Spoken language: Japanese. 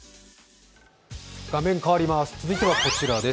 続いてはこちらです。